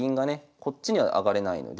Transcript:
こっちには上がれないので。